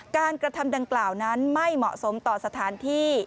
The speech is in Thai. กระทำดังกล่าวนั้นไม่เหมาะสมต่อสถานที่